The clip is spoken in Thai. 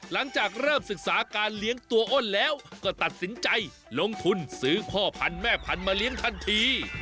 แล้วก็ตัดสินใจลงทุนซื้อพ่อพันธุ์แม่พันธุ์มาเลี้ยงทันที